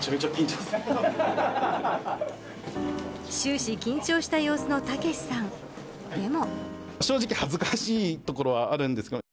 終始、緊張した様子の剛さんでも。